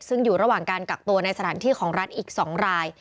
ซึ่งอยู่ระหว่างการกักตัวในสถานที่ของรัฐอีก๒ราย